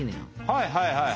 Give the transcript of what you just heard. はいはいはいはい。